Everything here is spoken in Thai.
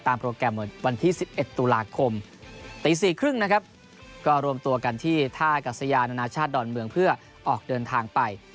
ตามโปรแกรมวันที่สิบเอ็ดตุลาคมตีสี่ครึ่งนะครับก็รวมตัวกันที่ท่ากับสยานนาชาติดอนเมืองเพื่อออกเดินทางไป